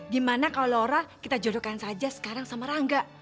gimana kalau orang kita jodohkan saja sekarang sama rangga